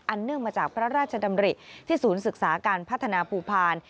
เนื่องมาจากพระราชดำริที่ศูนย์ศึกษาการพัฒนาภูพาล